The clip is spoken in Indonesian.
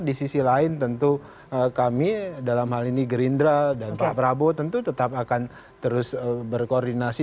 di sisi lain tentu kami dalam hal ini gerindra dan pak prabowo tentu tetap akan terus berkoordinasi